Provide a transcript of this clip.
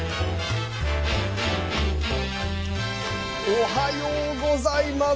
おはようございます！